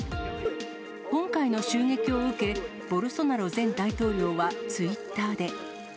今回の襲撃を受け、ボルソナロ前大統領はツイッターで。